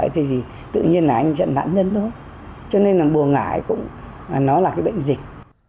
thì tự nhiên là anh dẫn nạn nhân thôi cho nên là bùa ngải cũng nó là cái bệnh dịch